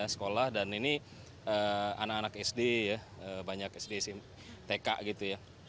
sekolah dan ini anak anak sd ya banyak sd smp tk gitu ya